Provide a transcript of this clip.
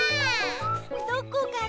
どこかな？